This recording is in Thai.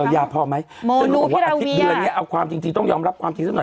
ยาพอไหมอาทิตย์เดือนนี้เอาความจริงต้องยอมรับความจริงสักหน่อย